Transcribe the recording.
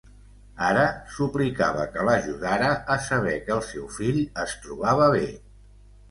Ara suplicava que l’ajudara a saber que el seu fill es trobava bé.